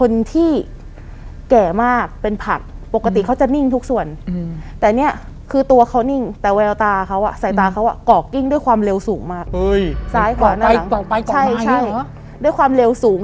ซ้ายกว่าหน้านั้นหลังด้วยความเร็วสูง